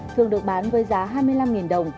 thường được bán với giá hai mươi năm đồng